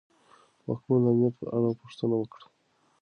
واکمن د امنیت په اړه پوښتنه وکړه.